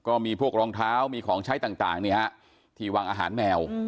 ก็มีพวกรองเท้ามีของใช้ต่างที่วางอาหารแมว